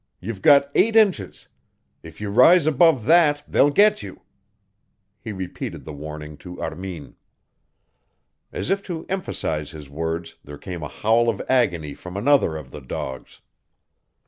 You've got eight inches. If you rise above that they'll get you." He repeated the warning to Armin. As if to emphasize his words there came a howl of agony from another of the dogs.